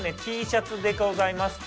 Ｔシャツでございますとか。